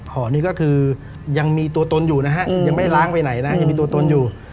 ห่อนี้ก็คือยังมีตัวตนอยู่นะฮะยังไม่ล้างไปไหนนะยังมีตัวตนอยู่